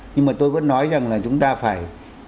nhưng mà tôi vẫn nói rằng là chúng ta phải